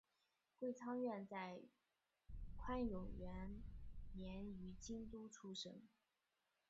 桂昌院在宽永元年于京都出生。